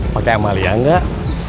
pake emal ya enggak